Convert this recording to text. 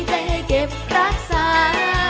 ใจให้เก็บรักษา